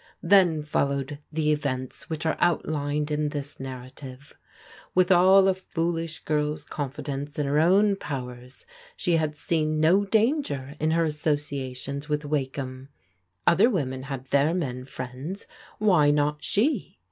Then followed the events which are outlined in this narrative. With all a foolish girl's confidence in her own powers, she had seen no danger in her associations with Wakeham. Other women had their men friends, why not she?